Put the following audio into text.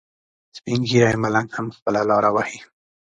سپین ږیری ملنګ هم خپله لاره وهي.